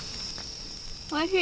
おいしい！